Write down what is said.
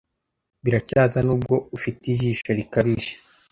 biracyaza nubwo ufite ijisho rikabije